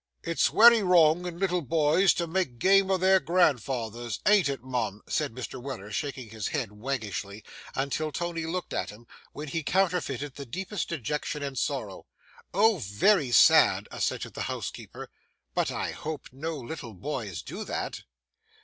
'It's wery wrong in little boys to make game o' their grandfathers, an't it, mum?' said Mr. Weller, shaking his head waggishly, until Tony looked at him, when he counterfeited the deepest dejection and sorrow. 'O, very sad!' assented the housekeeper. 'But I hope no little boys do that?